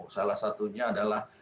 salah satunya adalah